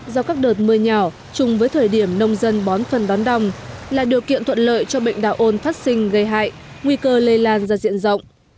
do các đợt mưa nhỏ chung với thời điểm nông dân bón phân bón đồng là điều kiện thuận lợi cho bệnh đạo ôn phát sinh gây hại nguy cơ lây lan ra diện rộng